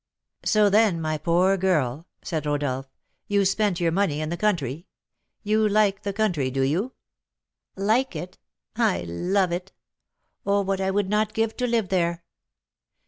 "So, then, my poor girl," said Rodolph, "you spent your money in the country, you like the country, do you?" "Like it? I love it! Oh, what would I not give to live there?